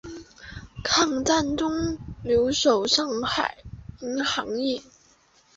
抗战中留守上海银行业。